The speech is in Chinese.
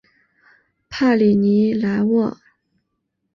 帕里尼莱沃。